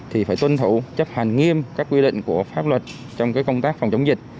thì phải tuân thủ chấp hành nghiêm các quy định của pháp luật trong công tác phòng chống dịch